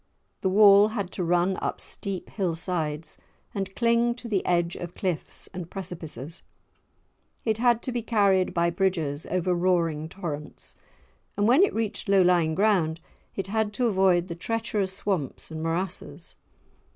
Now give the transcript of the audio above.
The wall had to run up steep hill sides and cling to the edge of cliffs, and precipices; it had to be carried by bridges over roaring torrents, and when it reached low lying ground it had to avoid the treacherous swamps and morasses.